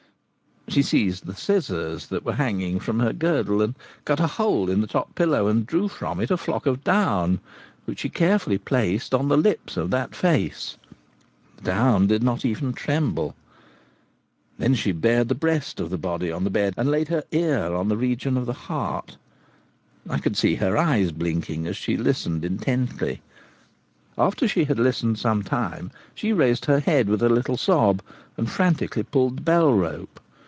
She seized the scissors that were hanging from her girdle, and cut a hole in the top pillow, and drew from it a flock of down, which she carefully placed on the lips of that face. The down did not even tremble. Then she bared the breast of the body on the bed, and laid her ear upon the region of the heart; I could see her eyes blinking as she listened intensely. After she had listened some time she raised her head, with a little sob, and frantically pulled the bell rope.